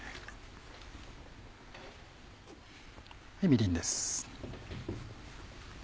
みりんです。